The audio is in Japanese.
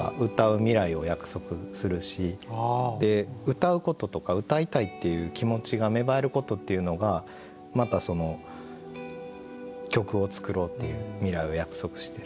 歌うこととか歌いたいっていう気持ちが芽生えることっていうのがまたその曲を作ろうっていう未来を約束してる。